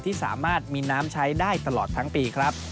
ที่สามารถมีน้ำใช้ได้ตลอดทั้งปีครับ